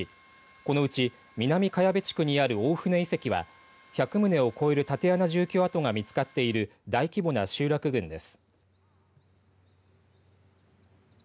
このうち南茅部地区にある大船遺跡は１００棟を超える竪穴住居跡が見つかっている大規模な集落群です。